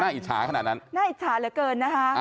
อิจฉาขนาดนั้นน่าอิจฉาเหลือเกินนะคะ